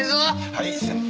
はい先輩。